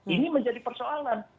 ini menjadi persoalan